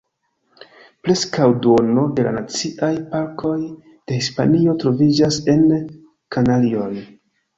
Preskaŭ duono de la Naciaj Parkoj de Hispanio troviĝas en Kanarioj.